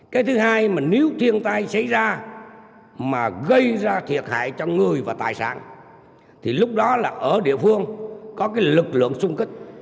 cái thứ hai mà nếu thiên tai xảy ra mà gây ra thiệt hại cho người và tài sản thì lúc đó là ở địa phương có cái lực lượng xung kích